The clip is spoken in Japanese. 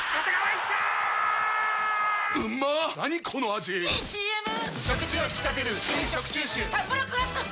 ⁉いいＣＭ！！